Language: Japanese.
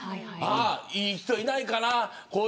いい人いないかな。